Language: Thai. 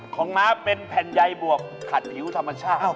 ม้าเป็นแผ่นใยบวกขัดผิวธรรมชาติ